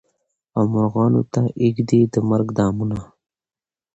او مرغانو ته ایږدي د مرګ دامونه